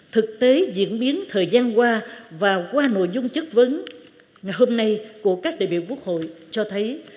thực tế diễn biến thời gian qua và qua nội dung chất vấn ngày hôm nay của các đại biểu quốc hội cho thấy